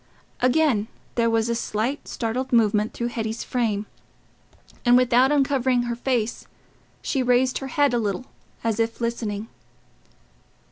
Again there was a slight startled movement through Hetty's frame, and without uncovering her face, she raised her head a little, as if listening.